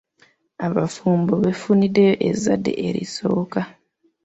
Abafumbo beefuniddeyo ezzadde erisooka.